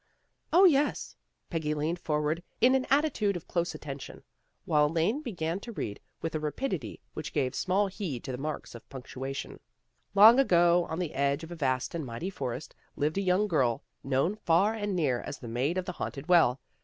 " O, yes." Peggy leaned forward in an atti tude of close attention, while Elaine began to read with a rapidity which gave small heed to the marks of punctuation. " Long ago, on the edge of a vast and mighty forest, lived a young girl, known far and near as the Maid of the Haunted Well.